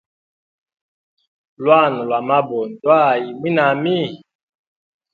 Lwana lwa mabo ndwa ayi a mwinami?